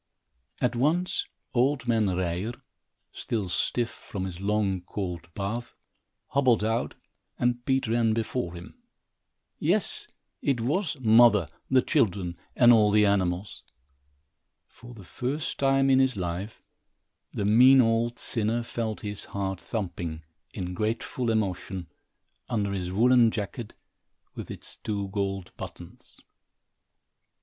At once, old man Ryer, still stiff from his long, cold bath, hobbled out, and Pete ran before him. Yes, it was mother, the children and all the animals! For the first time in his life, the mean old sinner felt his heart thumping, in grateful emotion, under his woolen jacket, with its two gold buttons.